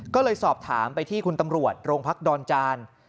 ก็เลยสอบถามไปที่คุณตำรวจโรงพักดอนจาน